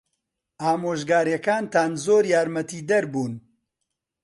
ئامۆژگارییەکانتان زۆر یارمەتیدەر بوون.